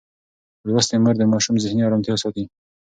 لوستې مور د ماشوم ذهني ارامتیا ساتي.